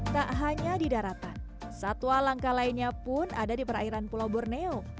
tak hanya di daratan satwa langka lainnya pun ada di perairan pulau borneo